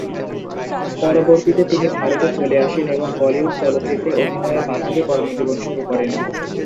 পরবর্তীতে তিনি ভারতে চলে আসেন এবং বলিউড চলচ্চিত্রে অভিনয়ের মাধ্যমে কর্মজীবন শুরু করেন।